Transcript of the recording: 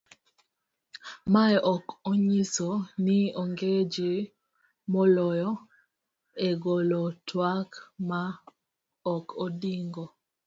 mae ok onyiso ni ong'e ji molony e golo twak ma ok ondiko